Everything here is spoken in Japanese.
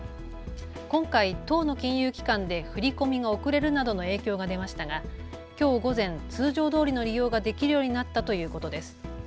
今回１０の金融機関で振り込みが遅れるなどの影響が出ましたがきょう午前、通常どおりの利用ができるようになったということです。